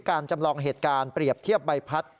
จำลองเหตุการณ์เปรียบเทียบใบพัด